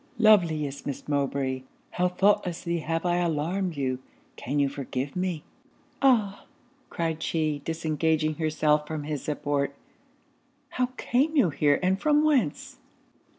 'Loveliest Miss Mowbray, how thoughtlessly have I alarmed you! Can you forgive me?' 'Ah!' cried she, disengaging herself from his support 'how came you here, and from whence?'